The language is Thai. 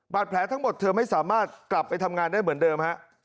แผลทั้งหมดเธอไม่สามารถกลับไปทำงานได้เหมือนเดิมฮะ